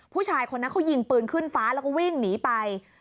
ผู้ชายคนนั้นเขายิงปืนขึ้นฟ้าแล้วก็วิ่งหนีไป